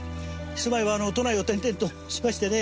住まいは都内を転々としましてね